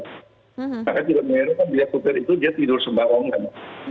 maka juga menyerahkan dia tidur sembarangan